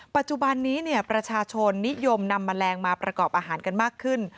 ปัจจุบันนี้ประชาชนนิยมนำแมลงมาประกอบอาหารกันมากขึ้น